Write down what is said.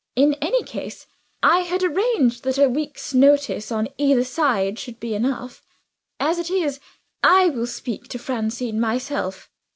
"In any case, I had arranged that a week's notice on either side should be enough. As it is, I will speak to Francine myself.